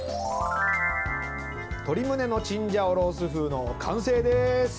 鶏むねのチンジャオロースー風の完成です。